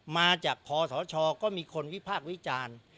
มาจากคอสชก็มีคนวิพากษ์วิจารณ์